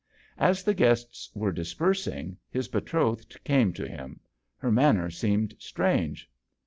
As the guests were dispersing, his betrothed came to him. Her manner seemed strange.